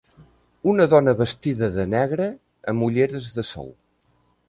Una dona vestida de negre amb ulleres de sol.